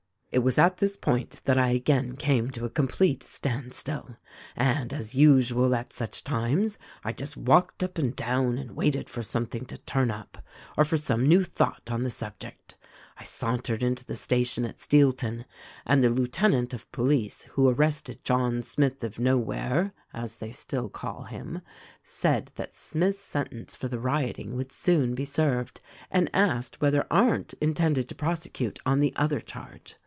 "It was at this point that I again came to a complete standstill ; and, as usual at such times, I just walked up and down and waited for something to turn up, or for some new thought on the subject. I sauntered into the station at Steelton ; and the lieutenant of police who arrested John Smith of Nowhere — as they still call him — said that Smith's THE RECORDING ANGEL 215 sentence for the rioting would soon be served, and asked whether Arndt intended to prosecute on the other charge.